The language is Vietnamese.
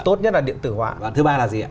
tốt nhất là điện tử hóa và thứ ba là gì ạ